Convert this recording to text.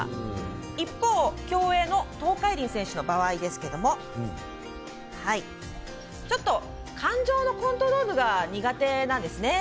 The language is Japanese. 一方、競泳の東海林選手の場合ですけども感情のコントロールが苦手なんですね。